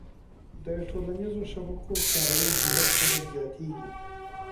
د ټولنیزو شبکو کارونکي ورځ په ورځ زياتيږي